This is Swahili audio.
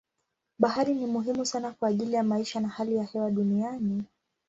Bahari ni muhimu sana kwa ajili ya maisha na hali ya hewa duniani.